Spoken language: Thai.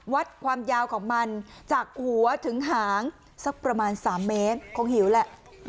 วัดความยาวของมันจากหัวถึงหางสักประมาณ๓เมตรคงหิวแหละ